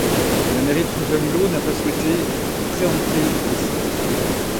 La mairie de Fontainebleau n'a elle pas souhaité préempter le site.